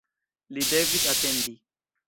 Li devis atendi.